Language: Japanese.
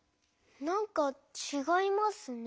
なんかちがいますね。